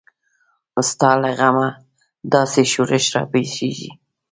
ستا له غمه داسې شورش راپېښیږي.